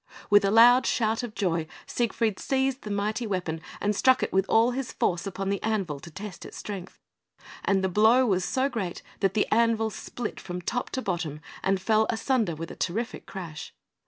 With a loud shout of joy Siegfried seized the mighty weapon, and struck it with all his force upon the anvil to test its strength; and the blow was so great that the anvil split from top to bottom, and fell asunder with a terrific crash.